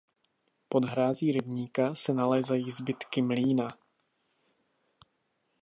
Pod hrází rybníka se nalézají zbytky mlýna.